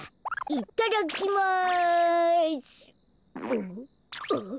いただきます。